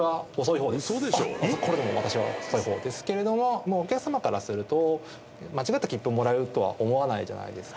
これでも私は遅い方ですけれどもお客さまからすると間違ったきっぷをもらうとは思わないじゃないですか。